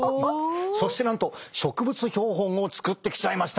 そしてなんと植物標本を作ってきちゃいました。